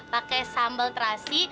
pakai sambal terasi